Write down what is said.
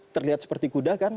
terlihat seperti kuda kan